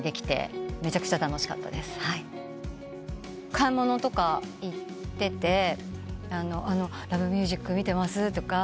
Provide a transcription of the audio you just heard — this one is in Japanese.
買い物とか行ってて『Ｌｏｖｅｍｕｓｉｃ』見てますとか。